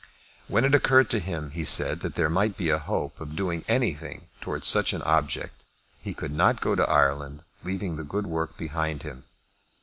When it occurred to him, he said, that there might be a hope of doing anything towards such an object, he could not go to Ireland leaving the good work behind him.